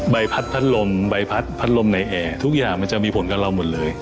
ใบพัดพัดลมใบพัดพัดลมในแอร์ทุกอย่างมันจะมีผลกับเราหมดเลย